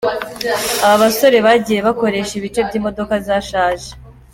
Aba basore bagiye bakoresha ibice by’imodoka zashaje.